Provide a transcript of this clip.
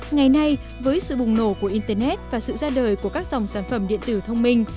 ngày nay với sự bùng nổ của internet và sự ra đời của các dòng sản phẩm điện tử thông minh